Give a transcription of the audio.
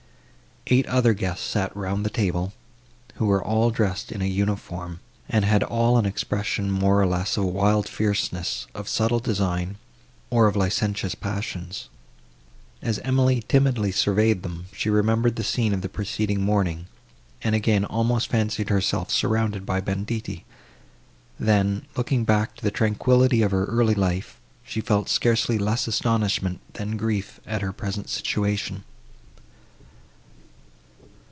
Eight other guests sat round the table, who were all dressed in a uniform, and had all an expression, more or less, of wild fierceness, of subtle design, or of licentious passions. As Emily timidly surveyed them, she remembered the scene of the preceding morning, and again almost fancied herself surrounded by banditti; then, looking back to the tranquillity of her early life, she felt scarcely less astonishment, than grief, at her present situation.